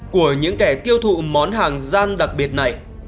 của những kẻ tiêu thụ món hàng gian đặc biệt này